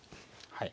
はい。